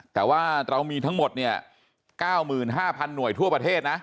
แต่ว่าเรามีทั้งหมด๙๕๐๐หน่วยทั่วประเทศนะ